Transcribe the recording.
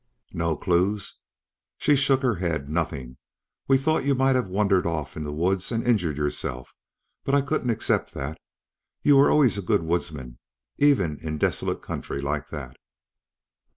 "No clues?" She shook her head. "Nothing. We thought you might have wandered off into the woods and injured yourself; but I couldn't accept that. You were always a good woodsman, even in desolate country like that."